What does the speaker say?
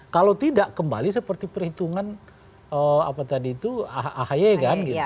kalau tidak kembali seperti perhitungan apa tadi itu ahy kan gitu